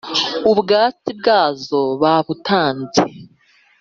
Ubwatsi bwazo babutanze.